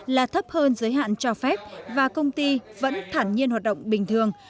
là thấp hơn giới hạn cho phép và công ty vẫn thản nhiên hoạt động bình thường